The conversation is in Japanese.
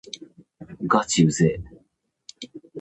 がちうぜぇ